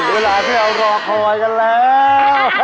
เวลาที่เรารอคอยกันแล้ว